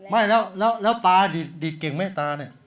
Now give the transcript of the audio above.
ไม่แล้วแล้วตาถี่ดีดเก่งไม่ตาเนี่ย